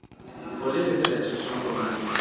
Collegati adesso, sono pronto.